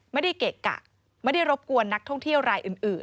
เกะกะไม่ได้รบกวนนักท่องเที่ยวรายอื่น